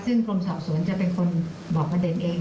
ซึ่งกรมสอบสวนจะเป็นคนบอกประเด็นเอง